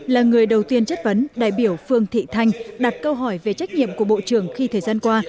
là người đầu tiên chất vấn đại biểu phương thị thanh đặt câu hỏi về trách nhiệm của bộ trưởng khi thời gian qua